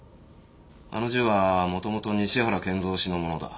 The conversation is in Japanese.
あの銃はもともと西原建造氏のものだ。